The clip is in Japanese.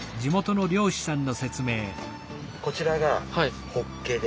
こちらがホッケで。